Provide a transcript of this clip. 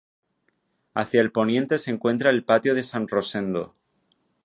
Hacia el poniente se encuentra el Patio de San Rosendo.